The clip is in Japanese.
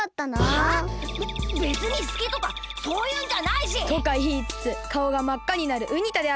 べべつにすきとかそういうんじゃないし！とかいいつつかおがまっかになるウニ太であった。